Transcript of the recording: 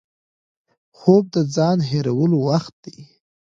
خوب د ځان هېرولو وخت دی